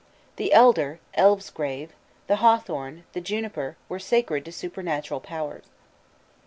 The elder (elves' grave), the hawthorn, and the juniper, were sacred to supernatural powers.